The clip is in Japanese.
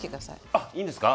あっいいんですか？